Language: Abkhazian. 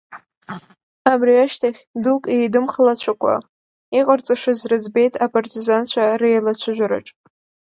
Абри ашьҭахь, дук еидымхалацәакәа, иҟарҵашаз рыӡбеит апартизанцәа реилацәажәараҿ.